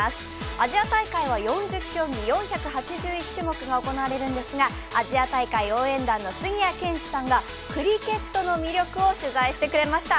アジア大会は４０競技４８１種目が行われるんですがアジア大会応援団の杉谷拳士さんがクリケットの魅力を取材してくれました。